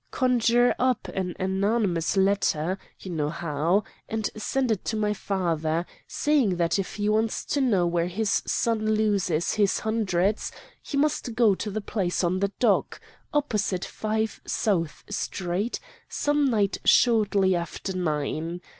Conjure up an anonymous letter you know how and send it to my father, saying that if he wants to know where his son loses his hundreds, he must go to the place on the dock, opposite 5 South Street, some night shortly after nine.